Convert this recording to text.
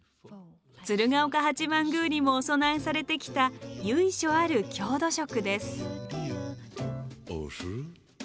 鶴岡八幡宮にもお供えされてきた由緒ある郷土食です。